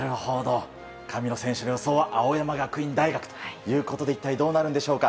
神野選手の予想は青山学院大学ということで一体どうなるんでしょうか。